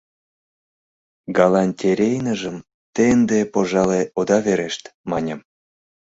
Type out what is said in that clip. — Галантерейныжым те ынде, пожале, ода верешт, — маньым.